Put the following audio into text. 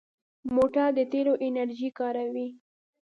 موټر د تېلو انرژي کاروي.